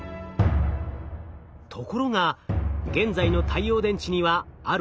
ところが現在の太陽電池にはある弱点が。